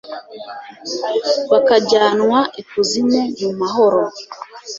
bakajyanwa ikuzimu mu mahoro